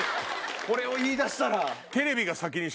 これを言いだしたら。